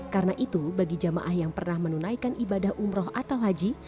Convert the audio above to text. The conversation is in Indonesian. karena itu bagi jamaah yang pernah menunaikan ibadah umroh atau haji